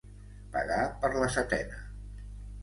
Pagar per la setena.